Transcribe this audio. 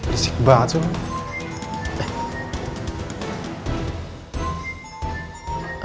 risik banget tuh